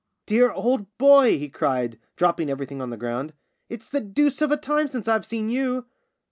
" Dear old boy," he cried, dropping every thing on the ground, "it's the deuce of a time since I've seen you."